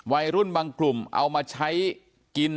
วัยรุ่นบางกลุ่มเอามาใช้กิน